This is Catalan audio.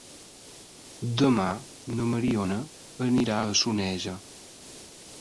Demà na Mariona anirà a Soneja.